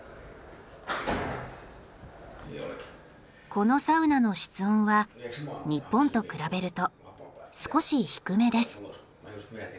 このサウナの室温は日本と比べると少し低めです。